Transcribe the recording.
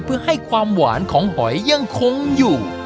เพื่อให้ความหวานของหอยยังคงอยู่